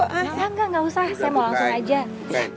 engga engga usah saya mau langsung aja